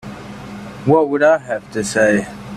What would I have to say?